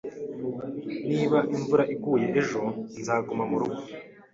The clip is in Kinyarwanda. Niba imvura iguye ejo, nzaguma murugo.